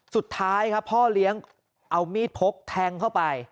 สุดท้ายครับพ่อเลี้ยงเอามีดพกแทงเข้าไป